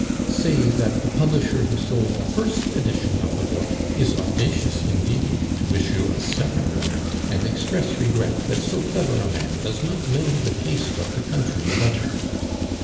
"Say that the publisher who sold a first edition of the book is audacious indeed to issue a second, and express regret that so clever a man does not know the taste of the country better.